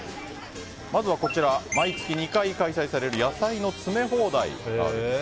まずこちら、毎月２回開催される野菜の詰め放題です。